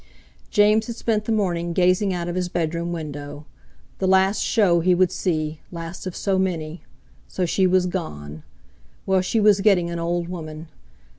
James had spent the morning gazing out of his bedroom window. The last show he would see, last of so many! So she was gone! Well, she was getting an old woman.